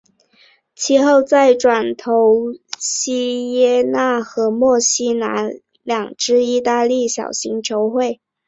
其后再转投锡耶纳和墨西拿两支意大利小型球会。